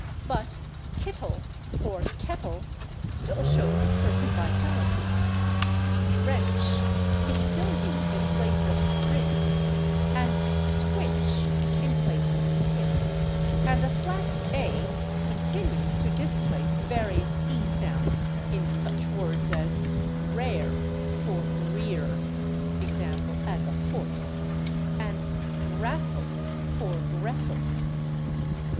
But /kittle/ for /kettle/ still shows a certain vitality, /rench/ is still used in place of /rinse/, and /squinch/ in place of /squint/, and a flat /a/ continues to displace various /e/ sounds in such words as /rare/ for /rear/ (/e. g./, as a horse) and /wrassle/ for /wrestle